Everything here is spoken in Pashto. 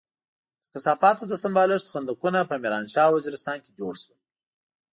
د کثافاتو د سمبالښت خندقونه په ميرانشاه او وزيرستان کې جوړ شول.